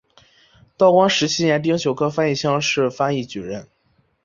道光十七年丁酉科翻译乡试翻译举人。